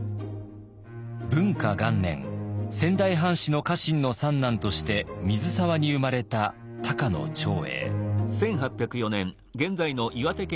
仙台藩士の家臣の三男として水沢に生まれた高野長英。